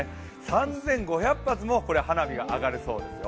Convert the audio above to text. ３５００発も花火が上がるそうですよ。